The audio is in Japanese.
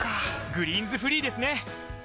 「グリーンズフリー」ですね！